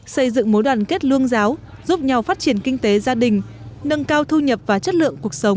xây dựng mối đoàn kết lương giáo giúp nhau phát triển kinh tế gia đình nâng cao thu nhập và chất lượng cuộc sống